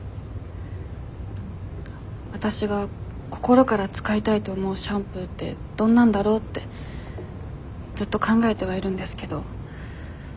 わたしが心から使いたいと思うシャンプーってどんなんだろうってずっと考えてはいるんですけど。